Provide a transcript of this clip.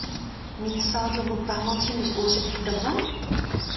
Miñsadur mod Parmentier 'm eus aozet evit da vamm.